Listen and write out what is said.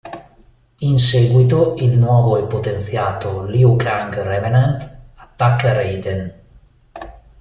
In seguito il nuovo e potenziato Liu Kang Revenant attacca Raiden.